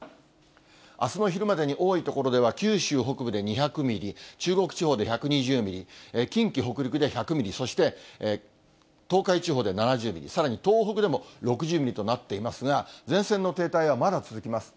あすの昼までに多い所では、九州北部で２００ミリ、中国地方で１２０ミリ、近畿、北陸で１００ミリ、そして東海地方で７０ミリ、さらに東北でも６０ミリとなっていますが、前線の停滞はまだ続きます。